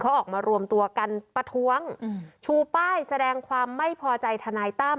เขาออกมารวมตัวกันประท้วงชูป้ายแสดงความไม่พอใจทนายตั้ม